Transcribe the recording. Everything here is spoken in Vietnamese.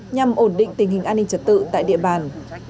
nhằm ổn định tình hình an ninh trật tự tại địa bàn